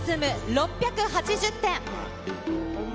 ６８０点。